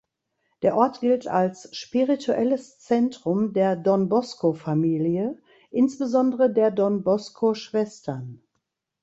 Der Ort gilt als spirituelles Zentrum der Don-Bosco-Familie, insbesondere der Don-Bosco-Schwestern.